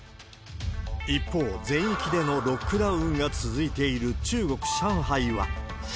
一方、全域でのロックダウンが続いている中国・上海は。